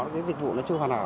cái dịch vụ nó chưa hoàn hảo